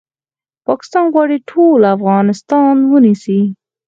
پاکستان غواړي ټول افغانستان ونیسي